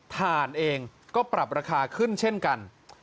ฐานเองก็ปรับราคาขึ้นเช่นกัน